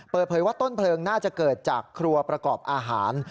เปิดเผยว่าต้นเพลิงน่าจะเกิดจากครัวประกอบอาหาร